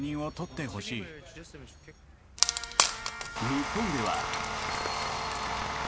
日本では。